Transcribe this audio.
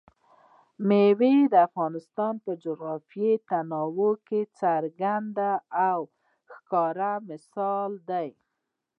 مېوې د افغانستان د جغرافیوي تنوع یو څرګند او ښه مثال دی.